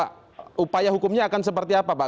supaya hukumnya akan seperti apa pak